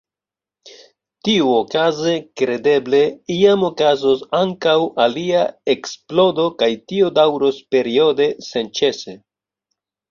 Tiuokaze, kredeble, iam okazos ankaŭ alia eksplodo kaj tio daŭros periode, senĉese.